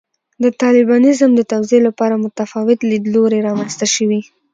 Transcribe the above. د طالبانیزم د توضیح لپاره متفاوت لیدلوري رامنځته شوي.